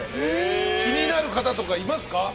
気になる方とかいますか？